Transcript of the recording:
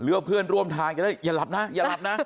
เพื่อนร่วมทางจะได้อย่าหลับนะอย่าหลับนะ